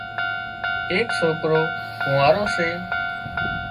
ايڪ سوڪرو ڪونئارو سي